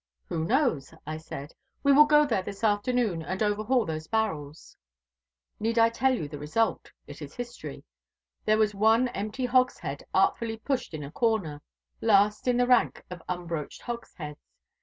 'Who knows?' I said; 'we will go there this afternoon and overhaul those barrels.' Need I tell you the result? It is history. There was one empty hogshead, artfully pushed in a corner, last in the rank of unbroached hogsheads.